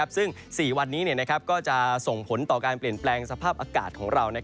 ซึ่ง๔วันนี้ก็จะส่งผลต่อการเปลี่ยนแปลงสภาพอากาศของเรา